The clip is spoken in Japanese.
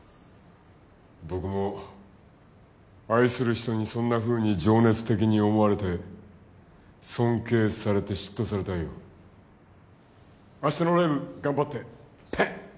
僕も愛する人にそんなふうに情熱的に思われて尊敬されて嫉妬されたいよ明日のライブ頑張ってパンッ！